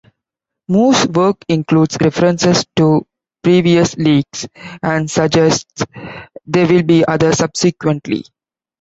Moore's work includes references to previous leagues and suggests there will be others subsequently.